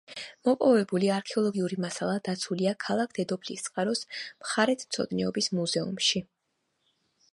მოპოვებული არქეოლოგიური მასალა დაცულია ქალაქ დედოფლისწყაროს მხარეთმცოდნეობის მუზეუმში.